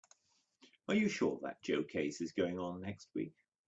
Are you sure that Joe case is going on next week?